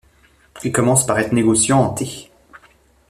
Il commence par être négociant en thé.